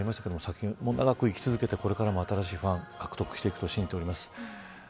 お亡くなりになりましたが作品は長く生き続けてこれからも新しいファンを獲得していくと信じております。